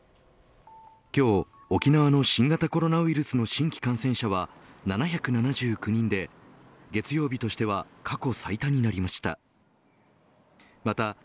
今日、沖縄の新型コロナウイルスの新規感染者は７７９人で月曜日としては過去最多になりました。